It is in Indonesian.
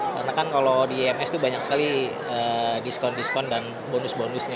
karena kan kalau di iims itu banyak sekali diskon diskon dan bonus bonusnya